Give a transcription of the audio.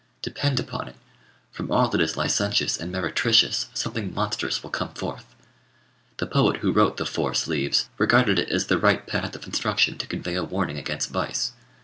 Depend upon it, from all that is licentious and meretricious something monstrous will come forth. The poet who wrote the "Four Sleeves" regarded it as the right path of instruction to convey a warning against vice.